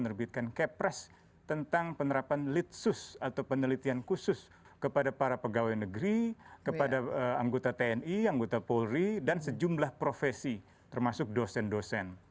dulu arief budiman yang berada di kepres menerbitkan kepres tentang penerapan litsus atau penelitian khusus kepada para pegawai negeri kepada anggota tni anggota polri dan sejumlah profesi termasuk dosen dosen